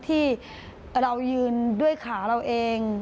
ที่เรายืนด้วยขาเราเอง